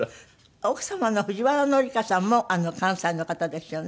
奥様の藤原紀香さんも関西の方ですよね？